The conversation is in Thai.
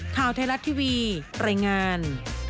ข่าวไทยรัฐทีวีรายงาน